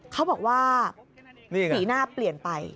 เขาบอกว่าสีหน้าเปลี่ยนไป